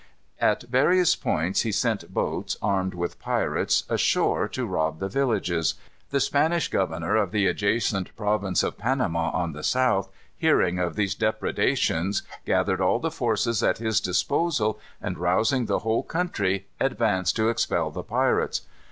At various points he sent boats, armed with pirates, ashore to rob the villages. The Spanish governor of the adjacent province of Panama, on the south, hearing of these depredations, gathered all the forces at his disposal, and rousing the whole country, advanced to expel the pirates.